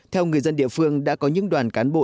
theo người dân địa phương đã có những đoàn cán bộ